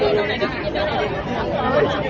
อืม